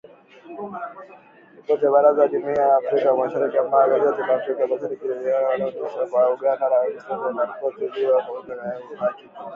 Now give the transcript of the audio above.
Ripoti ya Baraza la Jumuiya la Afrika Mashariki ambayo gazeti la Afrika Mashariki iliiona inaonyesha kuwa Uganda haijaridhishwa na ripoti hiyo ya kamati ya uhakiki